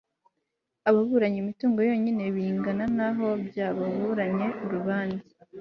ababuranye imitungo yonyine bingana na naho by ababuranye urubanza